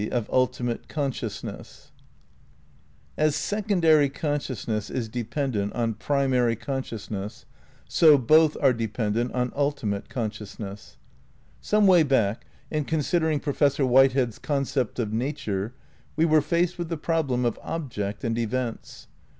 XI ULTIMATE CONSCIOUSNESS As secondary consciousness is dependent on primary consciousness, so both are dependent on ultimate con Neces sciousness. ?jjy °^^ 11. Xnttmato Some way back, m considering Professor White con head's Concept of Nature, we were faced with the prob ^^ lem of object and events.